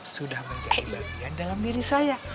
sudah menjadi bagian dalam diri saya